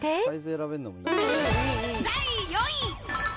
第４位。